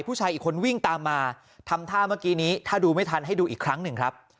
ผู้ชายอีกคนวิ่งตามมาทำท่าเมื่อกี้นี้ถ้าดูไม่ทันให้ดูอีกครั้งหนึ่งครับ